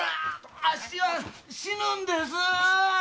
あっしは死ぬんです。